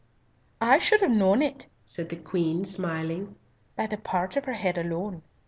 "I should have known it," said the Queen, smiling, "by the port of her head alone.